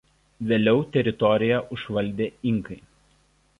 Vėliau teritoriją užvaldė inkai.